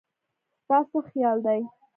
ستا څه خيال دی